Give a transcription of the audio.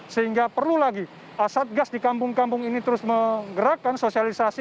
sehingga perlu lagi satgas di kampung kampung ini terus menggerakkan sosialisasi